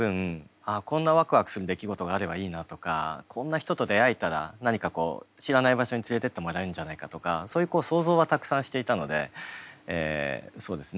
あこんなワクワクする出来事があればいいなとかこんな人と出会えたら何かこう知らない場所に連れてってもらえるんじゃないかとかそういう想像はたくさんしていたのでそうですね